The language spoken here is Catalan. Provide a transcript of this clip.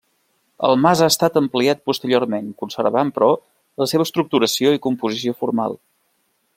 El mas ha estat ampliat posteriorment conservant, però, la seva estructuració i composició formal.